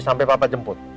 sampai papa jemput